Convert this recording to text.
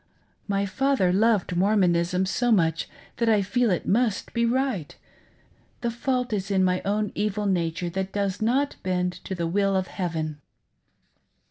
My father loved Mormonism so much that I feel it mmt be right ; the fault is in my own evil nature that does not bend to the will of Heaven."